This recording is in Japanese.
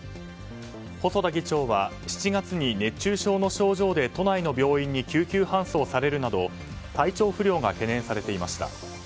細田議長は７月に熱中症の症状で都内の病院に救急搬送されるなど体調不良が懸念されていました。